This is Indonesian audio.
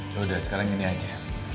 yaudah sekarang gini aja